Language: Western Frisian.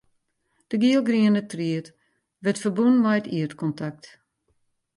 De gielgriene tried wurdt ferbûn mei it ierdkontakt.